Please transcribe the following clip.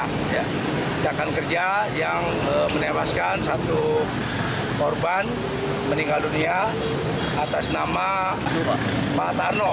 kecelakaan kerja yang menewaskan satu korban meninggal dunia atas nama pak tarno